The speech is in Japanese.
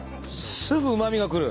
すぐうまみがくる。